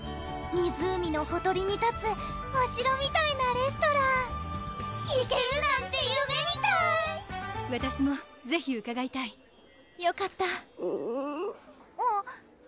湖のほとりにたつお城みたいなレストラン行けるなんて夢みたいわたしもぜひうかがいたいよかったあっ